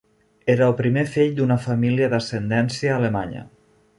Era el primer fill d'una família d'ascendència alemanya.